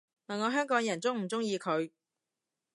問我香港人鍾唔鍾意佢